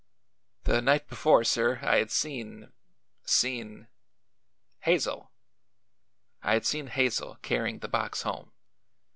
"The night before, sir, I had seen seen " "Hazel." "I had seen Hazel carrying the box home.